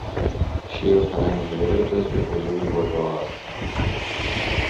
شیر و پلنگ و غیره جزو بزرگ گربهها هستند.